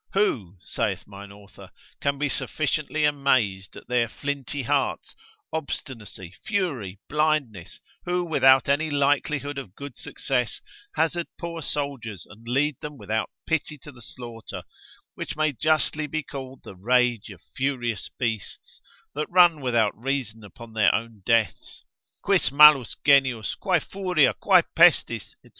Who (saith mine author) can be sufficiently amazed at their flinty hearts, obstinacy, fury, blindness, who without any likelihood of good success, hazard poor soldiers, and lead them without pity to the slaughter, which may justly be called the rage of furious beasts, that run without reason upon their own deaths: quis malus genius, quae furia quae pestis, &c.